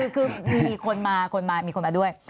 คือมีคนมามีคนมาด้วย